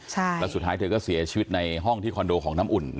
แล้วสุดท้ายเธอก็เสียชีวิตในห้องที่คอนโดของน้ำอุ่น